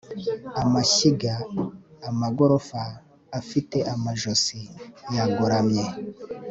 Amashyiga amagorofa afite amajosi yagoramye